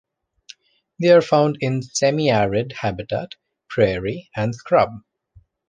They are found in semiarid habitat, prairie, and scrub.